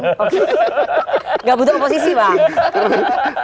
nggak butuh oposisi bang